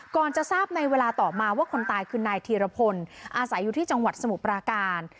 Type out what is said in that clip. จะทราบในเวลาต่อมาว่าคนตายคือนายธีรพลอาศัยอยู่ที่จังหวัดสมุทรปราการ